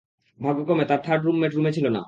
ভাগ্যক্রমে, তার third roommate রুমে ছিল না।